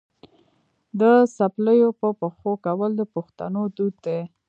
د څپلیو په پښو کول د پښتنو دود دی.